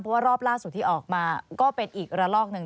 เพราะว่ารอบล่าสุดที่ออกมาก็เป็นอีกระลอกหนึ่ง